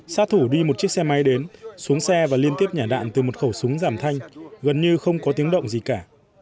sát thủ đi một chiếc xe máy đến xuống xe và liên tiếp nhả đạn từ một khẩu súng giảm thanh gần như không có tiếng động gì cả